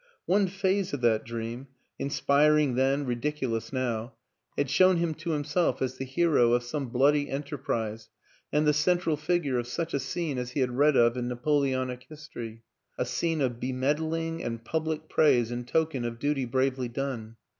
One phase of that dream inspiring then, ridiculous 244 WILLIAM AN ENGLISHMAN now had shown him to himself as the hero of some bloody enterprise and the central figure of such a scene as he had read of in Napoleonic his tory; a scene of be medaling and public praise in token of duty bravely done.